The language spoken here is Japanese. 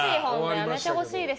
やめてほしいです。